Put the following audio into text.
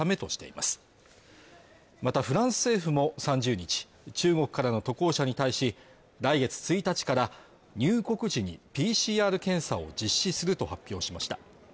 またフランス政府も３０日中国からの渡航者に対し来月１日から入国時にＰＣＲ検査を実施すると発表しました。